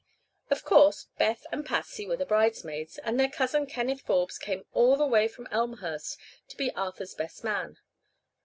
Of course Beth and Patsy were the bridesmaids, and their cousin Kenneth Forbes came all the way from Elmhurst to be Arthur's best man.